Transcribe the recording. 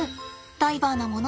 ダイバーなもので。